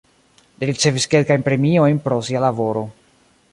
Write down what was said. Li ricevis kelkajn premiojn pro sia laboro.